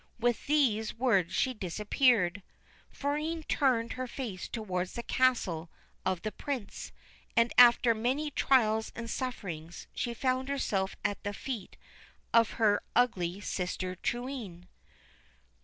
With these words she disappeared. Florine turned her face towards the castle of the Prince, and, after many trials and sufferings, she found herself at the feet of her ugly sister Truitonne.